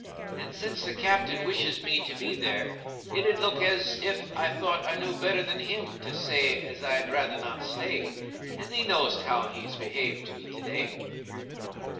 And since the captain wishes me to be there, it 'ud look as if I thought I knew better than him to say as I'd rather not stay. And thee know'st how he's behaved to me to day."